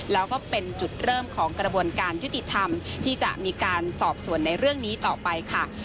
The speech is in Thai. แล้วก็เป็นจุดเริ่มของกระบวนการยุติธรรมที่จะมีการสอบส่วนในเรื่องนี้ต่อไปค่ะ